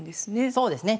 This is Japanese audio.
そうですね。